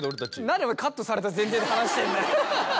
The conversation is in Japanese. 何お前カットされた前提で話してんだよ。